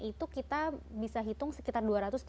itu kita bisa hitung sekitar